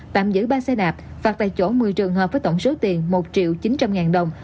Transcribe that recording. tạm giữ ba xe đạp phạt tại chỗ một mươi trường hợp với tổng số tiền một triệu chín trăm linh ngàn đồng